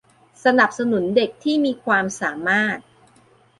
สนับสนุนเด็กที่มีความสามารถ